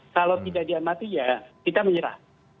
kalau tidak diamati ya kita menyerah